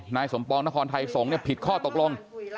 นายสมปองนครไทยสงฆ์ผิดข้อตกลง